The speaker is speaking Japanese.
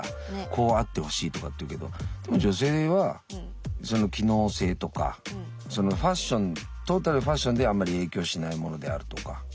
こうあってほしいとかっていうけどでも女性は機能性とかファッショントータルファッションであんまり影響しないものであるとか。